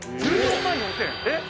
「１４万４０００円？えっ？」